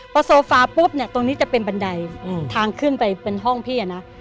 พอโซฟาปุ๊บเนี่ยตรงนี้จะเป็นบันไดทางขึ้นไปเป็นห้องพี่อะนะ